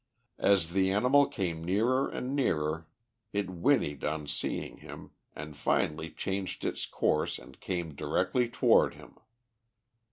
As the animal came nearer and nearer it whinnied on seeing him, and finally changed its course and came directly toward him.